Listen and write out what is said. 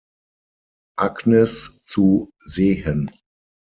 Agnes zu sehen.